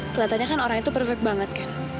kelihatannya kan orang itu perfect banget kan